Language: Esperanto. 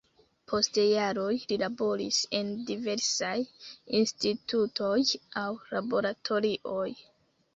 Post jaroj li laboris en diversaj institutoj aŭ laboratorioj.